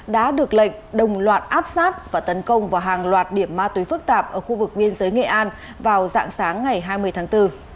đã được lệnh đồng loạt áp sát và tấn công vào hàng loạt điểm ma túy phức tạp ở khu vực biên giới nghệ an vào dạng sáng ngày hai mươi tháng bốn